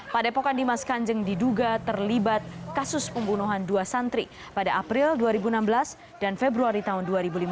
padepokan dimas kanjeng diduga terlibat kasus pembunuhan dua santri pada april dua ribu enam belas dan februari tahun dua ribu lima belas